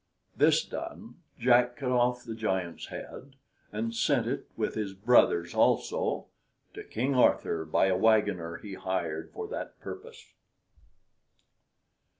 This done, Jack cut off the giant's head, and sent it, with his brother's also, to King Arthur, by a wagoner he hired for that purpose.